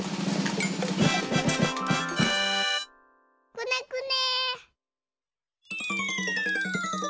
くねくね。